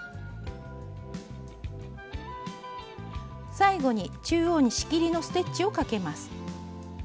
最後に中央に仕切りのステッチをかけます。